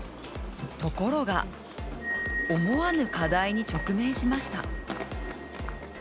ところが思わぬ課題に直面しました。